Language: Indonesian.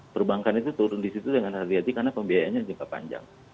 perbankan itu turun di situ dengan hati hati karena pembiayaannya jangka panjang